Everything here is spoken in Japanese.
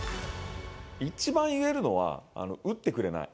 一番いえるのは、打ってくれない。